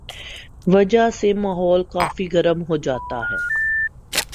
وجہ سے ماحول کافی گرم ہوجاتا ہے